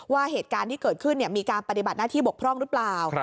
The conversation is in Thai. ว่าเหตุการณ์ที่เกิดขึ้นมีการปฏิบัติหน้าที่บกพร่องหรือเปล่า